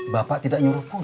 saya digaling ke bumi